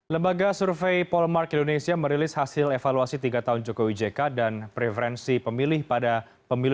lembaga survei polmark indonesia merilis hasil evaluasi tiga tahun jokowi jk dan preferensi pemilih pada pemilu dua ribu sembilan belas